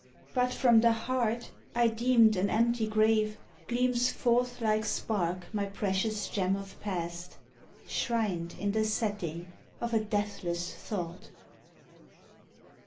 But from the heart I deemed an empty grave Gleams forth like spark my precious gem of past Shrined in the setting of a deathless thought.